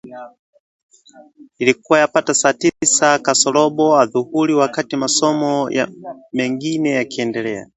Ilikuwa yapata saa tisa kasorobo adhuhuri wakati masomo mennngine yakiendelea